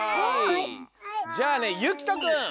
じゃあねゆきとくん。